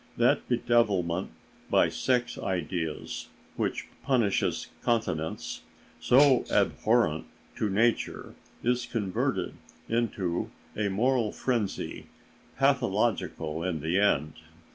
That bedevilment by sex ideas which punishes continence, so abhorrent to nature, is converted into a moral frenzy, pathological in the end.